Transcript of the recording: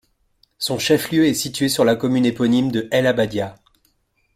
Son chef-lieu est situé sur la commune éponyme de El Abadia.